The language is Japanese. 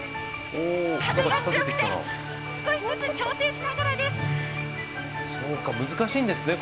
風が強くて、少しずつ調整しながらです。